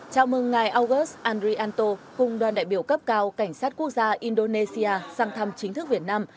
chào mừng ngài august andrianto cùng đoàn đại biểu cấp cao cảnh sát quốc gia indonesia sang thăm chính thức việt nam